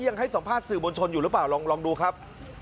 ยังให้สัมภาษณ์สื่อมวลชนอยู่หรือเปล่าลองดูครับ